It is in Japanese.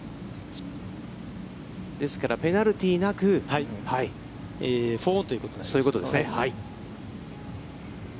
ですから、ペナルティーなく。ということですね。